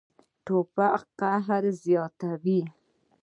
توپک قهر زیاتوي.